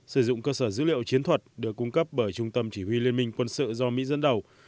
sử dụng cơ sở dữ liệu chiến thuật được cung cấp bởi trung tâm chỉ huy liên minh quân sự do mỹ dẫn đầu